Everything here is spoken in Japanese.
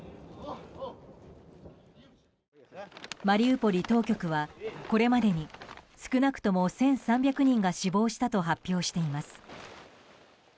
マリウポリ当局は、これまでに少なくとも１３００人が死亡したと発表しています。